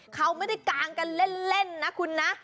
เขาไม่ได้กางกันเล่นนะคุณนะ